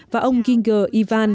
và ông ginger